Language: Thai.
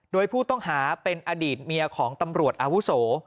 โดยผู้ต้องหาเป็นอดีตเมียของตำรวจอาวุโส